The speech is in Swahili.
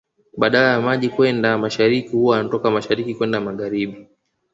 Badala ya maji kwenda mashariki huwa yana toka mashariki kwenda magharibi